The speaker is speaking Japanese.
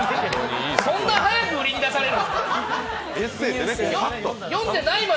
そんな早く売りに出される？